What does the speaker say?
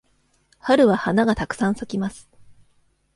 春は花がたくさん咲きます。